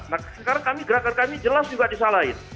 nah sekarang kami gerakan kami jelas juga disalahin